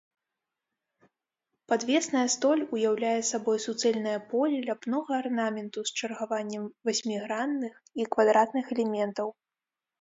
Падвесная столь уяўляе сабой суцэльнае поле ляпнога арнаменту з чаргаваннем васьмігранных і квадратных элементаў.